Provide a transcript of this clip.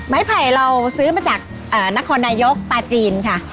ไผ่เราซื้อมาจากนครนายกปลาจีนค่ะ